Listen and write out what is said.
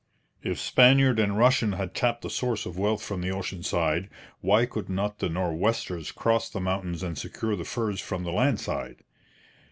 If Spaniard and Russian had tapped the source of wealth from the ocean side, why could not the Nor'westers cross the mountains and secure the furs from the land side?